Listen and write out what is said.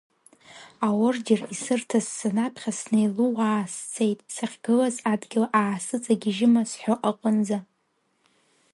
Аордер исырҭаз санаԥхьа снеилууаа сцеит, сахьгылаз адгьыл аасыҵагьежьыма сҳәо аҟынӡа.